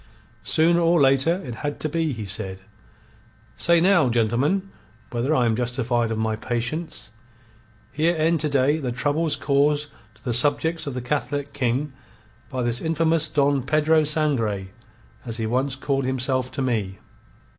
"Sooner or later it had to be," he said. "Say now, gentlemen, whether I am justified of my patience. Here end to day the troubles caused to the subjects of the Catholic King by this infamous Don Pedro Sangre, as he once called himself to me."